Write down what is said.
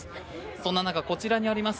そんな中こちらにあります